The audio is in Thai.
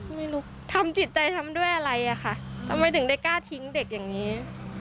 ไม่รู้ทำจิตใจทำด้วยอะไรอะค่ะทำไมถึงได้กล้าทิ้งเด็กอย่างนี้